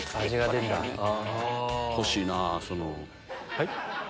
はい？